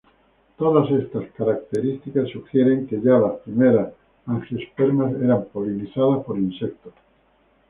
Todas estas características sugieren que ya las primeras angiospermas eran polinizadas por insectos.